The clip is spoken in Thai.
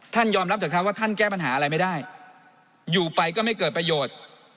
ยอมรับเถอะครับว่าท่านแก้ปัญหาอะไรไม่ได้อยู่ไปก็ไม่เกิดประโยชน์